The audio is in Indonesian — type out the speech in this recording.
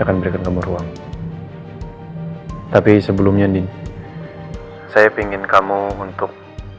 aku akan berikan kamu ruang tapi sebelumnya din saya pingin kamu untuk